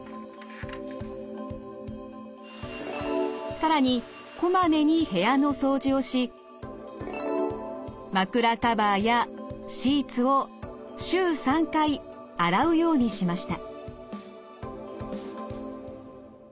更にこまめに部屋の掃除をし枕カバーやシーツを週３回洗うようにしました。